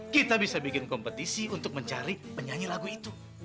kita bisa bikin kompetisi untuk mencari penyanyi lagu itu